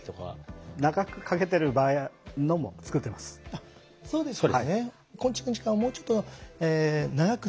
あっそうですよね。